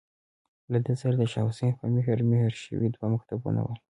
له ده سره د شاه حسين په مهر، مهر شوي دوه مکتوبونه ول.